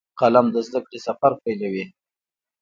قلم د زده کړې سفر پیلوي